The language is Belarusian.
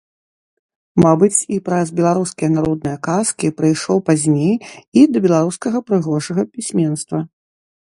Мабыць, і праз беларускія народныя казкі прыйшоў пазней і да беларускага прыгожага пісьменства.